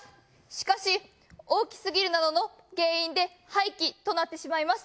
しかし大きすぎるなどの原因で廃棄となってしまいます。